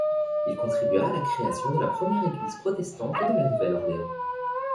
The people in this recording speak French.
Il contribua à la création de la première église protestante de La Nouvelle-Orléans.